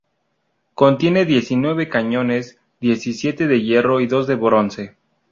Contiene diecinueve cañones -diecisiete de hierro y dos de bronce.